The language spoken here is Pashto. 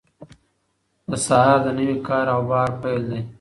سهار د نوي کار او بار پیل دی.